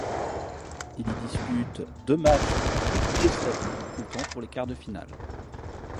Il y dispute deux matchs contre la Yougoslavie comptant pour les quarts de finale.